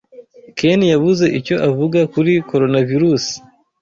Ken yabuze icyo avuga kuri Coronavirusi